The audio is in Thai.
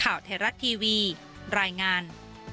ข่าวไทยรัฐทีวีรายงาน